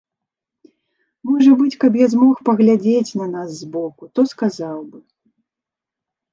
Можа быць, каб я змог паглядзець на нас з боку, то сказаў бы.